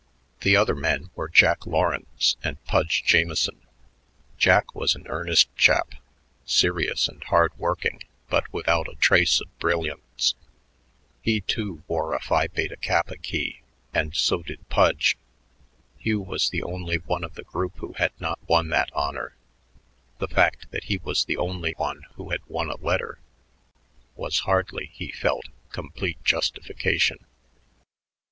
The other men were Jack Lawrence and Pudge Jamieson. Jack was an earnest chap, serious and hard working but without a trace of brilliance. He, too, wore a Phi Beta Kappa key, and so did Pudge. Hugh was the only one of the group who had not won that honor; the fact that he was the only one who had won a letter was hardly, he felt, complete justification.